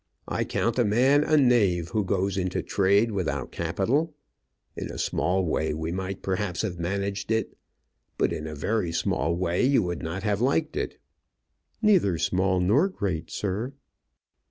I count a man a knave who goes into trade without capital. In a small way we might, perhaps, have managed it. But in a very small way you would not have liked it." "Neither small nor great, sir."